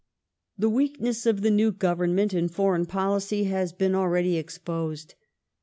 The weakness of the new Government in foreign policy has been already exposed.